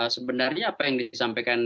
sebenarnya apa yang disampaikan